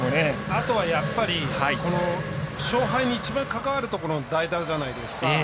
あとは、勝敗に一番関わるところの代打じゃないですか。